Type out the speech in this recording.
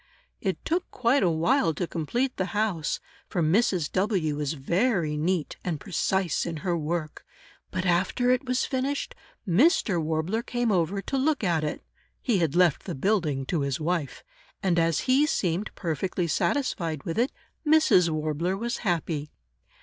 It took quite a while to complete the house, for Mrs. W. was very neat and precise in her work, but after it was finished, Mr. Warbler came over to look at it (he had left the building to his wife!), and as he seemed perfectly satisfied with it, Mrs. Warbler was happy.